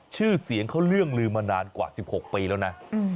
ชื่อเสียงเขาเรื่องลืมมานานกว่า๑๖ปีแล้วนะ